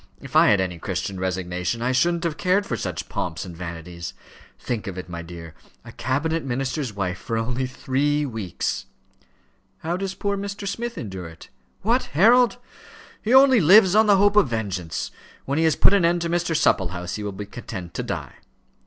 If I had any Christian resignation, I shouldn't have cared for such pomps and vanities. Think of it, my dear; a cabinet minister's wife for only three weeks!" "How does poor Mr. Smith endure it?" "What? Harold? He only lives on the hope of vengeance. When he has put an end to Mr. Supplehouse, he will be content to die."